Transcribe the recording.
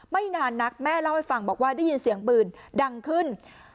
ไม่นานนักแม่เล่าให้ฟังบอกว่าได้ยินเสียงปืนดังขึ้น